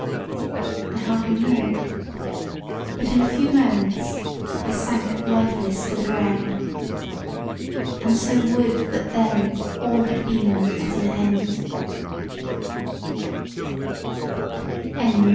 I har[d]ly know, but in a few moments I sank lifeless to the ground; and so would that then all had been at an end!